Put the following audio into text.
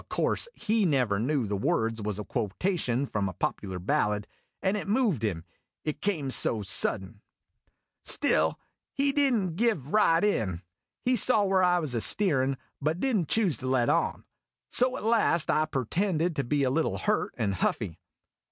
O' course he never knew the words was a quotation from a popular ballad, and it moved him it came so sudden. Still, he 222 IMAGINOTIONS did n't give right in. He saw where 1 was a steerin', but did n't choose to let on. So at last I purtendecl to be a little hurt and huffy.